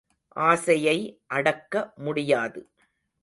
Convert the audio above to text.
ஆசையை அடக்க முடியாது.